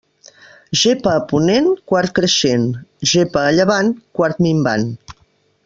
Gepa a ponent, quart creixent; gepa a llevant, quart minvant.